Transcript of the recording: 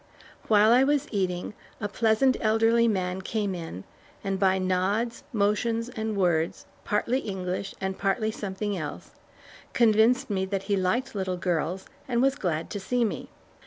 While I was eating, a pleasant elderly man came in and by nods, motions, and words, partly English and partly something else, convinced me that he liked little girls, and was glad to see me.